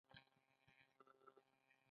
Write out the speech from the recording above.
چین په زیربناوو کې لوی پروژې لري.